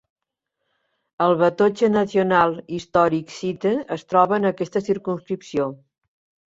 El Batoche National Historic Site es troba en aquesta circumscripció.